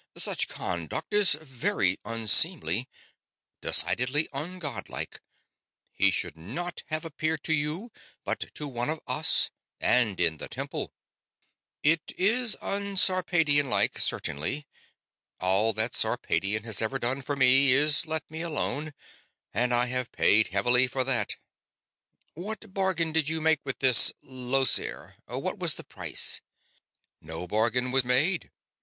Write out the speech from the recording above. Such conduct is very unseemly decidedly ungodlike. He should not have appeared to you, but to one of us, and in the temple." "It is un Sarpedionlike, certainly all that Sarpedion has ever done for me is let me alone, and I have paid heavily for that." "What bargain did you make with this Llosir? What was the price?" "No bargain was made.